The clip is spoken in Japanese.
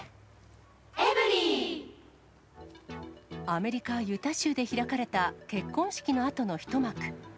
アメリカ・ユタ州で開かれた結婚式のあとの一幕。